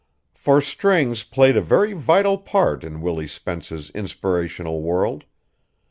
For strings played a very vital part in Willie Spence's inspirational world.